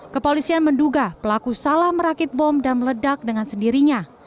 kepolisian menduga pelaku salah merakit bom dan meledak dengan sendirinya